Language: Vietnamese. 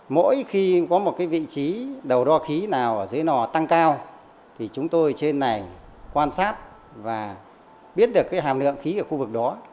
mỗi khi có một vị trí đầu đo khí nào ở dưới nò tăng cao thì chúng tôi trên này quan sát và biết được hàm lượng khí ở khu vực đó